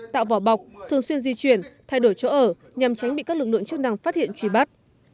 tạo vỏ bọc thường xuyên di chuyển thay đổi chỗ ở nhằm tránh bị các lực lượng chức năng phát hiện truy bắt